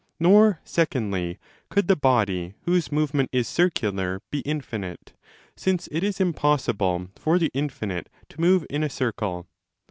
Nor, secondly, could the body whose movement is circular be infinite, since it is impossible for the infinite to move in a circle.